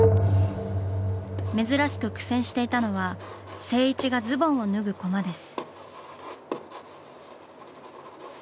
珍しく苦戦していたのは静一がズボンを脱ぐコマです。